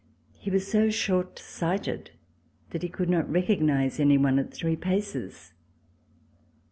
He was so shortsighted that he could not recognize any one at three paces.